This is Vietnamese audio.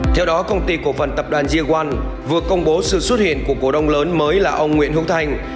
theo đó công ty cổ phần tập đoàn gia loan vừa công bố sự xuất hiện của cổ đông lớn mới là ông nguyễn hữu thành